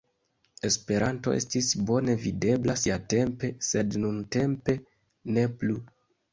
Esperanto estis bone videbla siatempe, sed nuntempe ne plu.